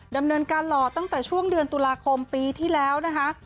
ดำเนินการหล่อตั้งแต่ช่วงเดือนตุลาคมปีที่แล้วนะคะ